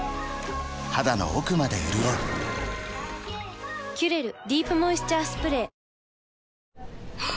肌の奥まで潤う「キュレルディープモイスチャースプレー」あ！